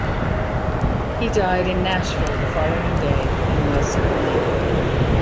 He died in Nashville the following day and was cremated.